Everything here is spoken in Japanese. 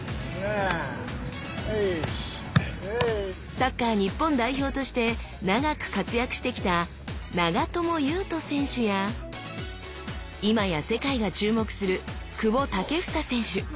サッカー日本代表として長く活躍してきた長友佑都選手や今や世界が注目する久保建英選手。